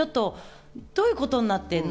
どういうことになってるの？